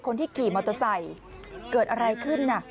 คนที่ขี่มอเตอร์ไซค์เกิดอะไรขึ้นน่ะ